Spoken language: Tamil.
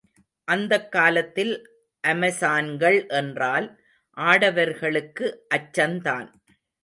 அந்தக் காலத்தில் அமெசான்கள் என்றால், ஆடவர்களுக்கு அச்சந்தான்.